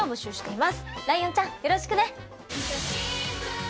ライオンちゃんよろしくね。